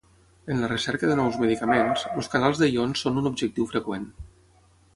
En la recerca de nous medicaments, els canals de ions són un objectiu freqüent.